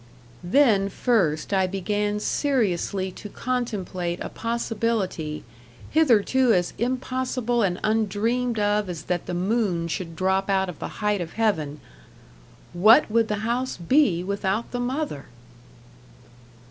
Then first I began seriously to contemplate a possibility, hitherto as impossible and undreamed of as that the moon should drop out of the height of heaven What would the house be without the mother?